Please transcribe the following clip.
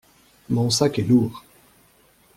Mon sac est lourd.